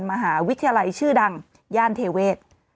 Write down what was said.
มหาวิทยาลัยชื่อดังย่านเทเวศ